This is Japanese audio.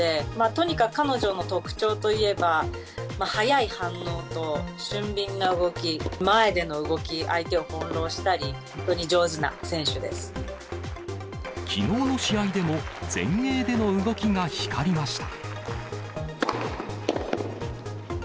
とにかく彼女の特徴といえば、早い反応と俊敏な動き、前での動き、相手を翻弄したり、きのうの試合でも、前衛での動きが光りました。